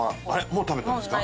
もう食べたんですか？